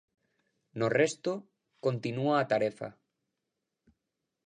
No resto, continúa a tarefa.